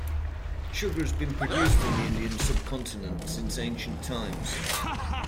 Sugar has been produced in the Indian subcontinent since ancient times.